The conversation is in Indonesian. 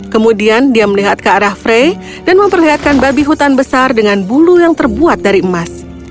kemudian dia melihat ke arah frey dan memperlihatkan babi hutan besar dengan bulu yang terbuat dari emas